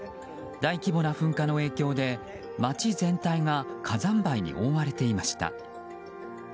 大規模な噴火の影響で街全体が火山灰に覆われていました。